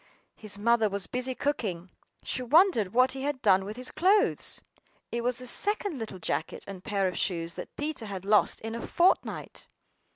His mother was busy cooking; she wondered what he had done with his clothes. It was the second little jacket and pair of shoes that Peter had lost in a fortnight!